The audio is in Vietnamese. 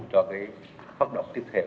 cho phát động tiếp theo